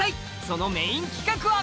そのメイン企画は！